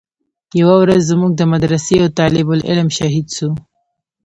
يوه ورځ زموږ د مدرسې يو طالب العلم شهيد سو.